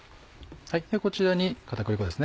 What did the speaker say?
こちらに片栗粉ですね